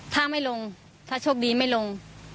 ถ้าไม่ลงถ้าโชคดีไม่ลง